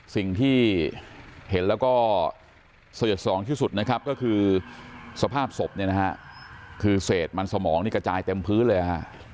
สิ่งที่เห็นแล้วก็สยดสองที่สุดก็คือสภาพศพคือเศษมันสมองกระจายเต็มพื้นเลย